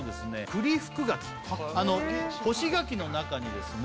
栗福柿あの干し柿の中にですね